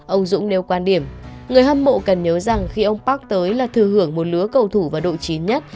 ông dũng nêu quan điểm người hâm mộ cần nhớ rằng khi ông park tới là thư hưởng một lứa cầu thủ và độ chín nhất